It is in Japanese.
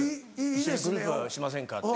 一緒にグループしませんかって。